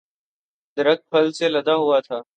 درخت پھل سے لدا ہوا تھا